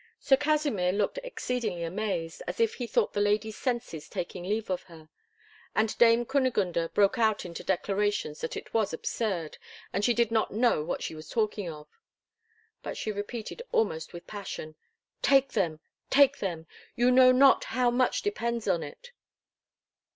Sir Kasimir looked exceedingly amazed, as if he thought the lady's senses taking leave of her, and Dame Kunigunde broke out into declarations that it was absurd, and she did not know what she was talking of; but she repeated almost with passion, "Take them, take them, you know not how much depends on it."